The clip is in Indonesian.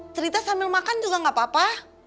cerita sambil makan juga gak apa apa